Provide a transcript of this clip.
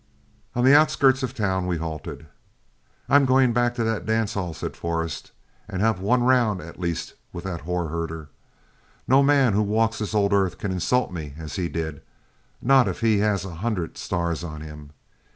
On the outskirts of the town, we halted. "I'm going back to that dance hall," said Forrest, "and have one round at least with that whore herder. No man who walks this old earth can insult me, as he did, not if he has a hundred stars on him.